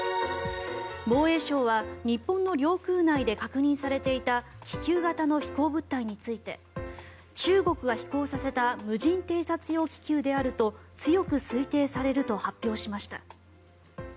防衛省は日本の領空内で確認されていた気球型の飛行物体について中国が飛行させた無人偵察用気球であると強く推定されると発表しました。